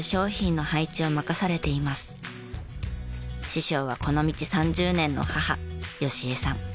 師匠はこの道３０年の母良枝さん。